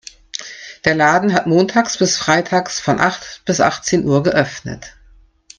Der Laden hat montags bis freitags von acht bis achtzehn Uhr geöffnet.